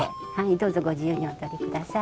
どうぞご自由にお撮りください。